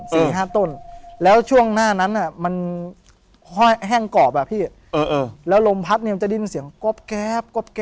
สี่ห้าต้นแล้วช่วงหน้านั้นอ่ะมันห้อยแห้งกรอบอ่ะพี่เออเออแล้วลมพัดเนี่ยมันจะได้ยินเสียงก๊อบแก๊บก๊อบแก๊